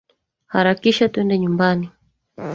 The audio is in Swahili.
Harakisha twende nyumbani